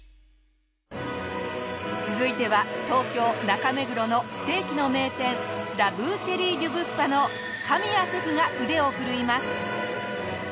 続いては東京中目黒のステーキの名店ラ・ブーシェリー・デュ・ブッパの神谷シェフが腕を振るいます。